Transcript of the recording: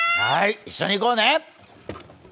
一緒に行こうね！